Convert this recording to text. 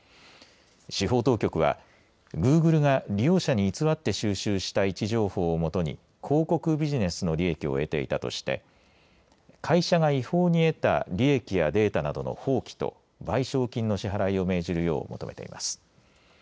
司法当局はグーグルが利用者に偽って収集した位置情報をもとに広告ビジネスの利益を得ていたとして会社が違法に得た利益やデータなどの放棄と賠償金の支払いを命じるよう求めています。